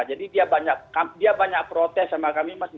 jadi dia banyak protes sama kami